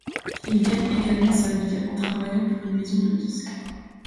Il gagne également sa vie en travaillant pour une maison de disques.